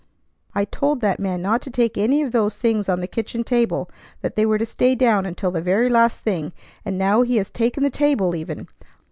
I told that man not to take any of those things on the kitchen table, that they were to stay down until the very last thing, and now he has taken the table even!